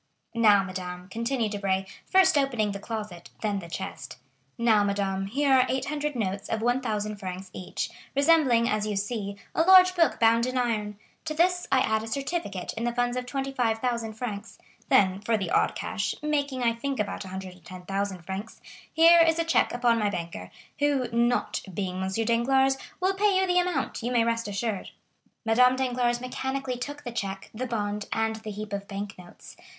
"Now, madame," continued Debray, first opening the closet, then the chest;—"now, madame, here are 800 notes of 1,000 francs each, resembling, as you see, a large book bound in iron; to this I add a certificate in the funds of 25,000 francs; then, for the odd cash, making I think about 110,000 francs, here is a check upon my banker, who, not being M. Danglars, will pay you the amount, you may rest assured." Madame Danglars mechanically took the check, the bond, and the heap of bank notes.